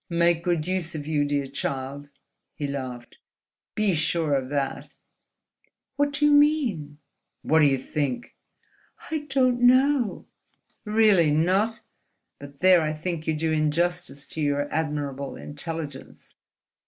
"Make good use of you, dear child," he laughed: "be sure of that!" "What do you mean?" "What do you think?" "I don't know ..." "Really not? But there I think you do injustice to your admirable intelligence."